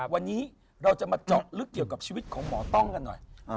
วันนี้เราจะมาเจาะลึกเกี่ยวกับชีวิตของหมอต้องกันหน่อย